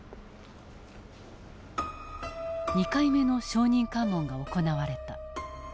２回目の証人喚問が行われた。